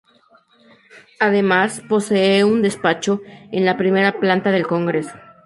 Además, posee un despacho en la primera planta del Congreso.